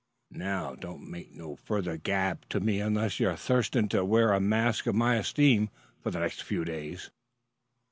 Now, don't make no further gab to me unless you're thirsting to wear a mark of my esteem for the next few days."